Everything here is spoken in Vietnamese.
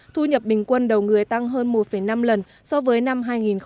thu nhập bình quân đầu người tăng hơn một năm lần so với năm hai nghìn một mươi